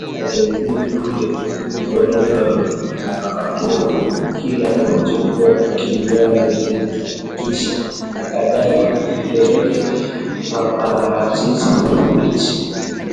Angetia kumbwe tu mdomoni akatema kila kilichokuwa kinywani na kisha akadai tumpelekee maparachichi mabichi